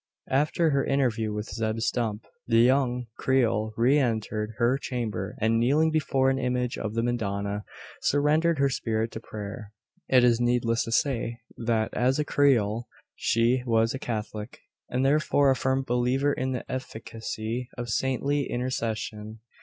After her interview with Zeb Stump, the young creole re entered her chamber, and kneeling before an image of the Madonna, surrendered her spirit to prayer. It is needless to say that, as a Creole, she was a Catholic, and therefore a firm believer in the efficacy of saintly intercession.